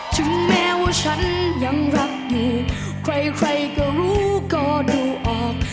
ถึงแม้ว่าฉันยังรักอยู่ใครใครก็รู้ก็ดูออก